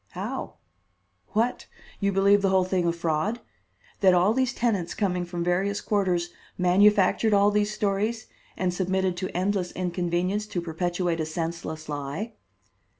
"How? What? You believe the whole thing a fraud? That all these tenants coming from various quarters manufactured all these stories and submitted to endless inconvenience to perpetuate a senseless lie?"